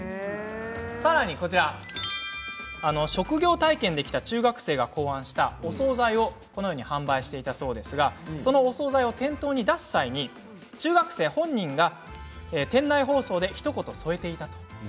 さらに、こちら職業体験で来た中学生が考案したお総菜をこのように販売していたそうですがそのお総菜を店頭に出す際に中学生本人が店内放送でひと言、添えていた。